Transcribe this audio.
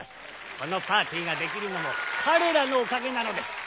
このパーティーができるのも彼らのおかげなのです！